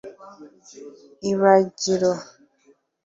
ibagiro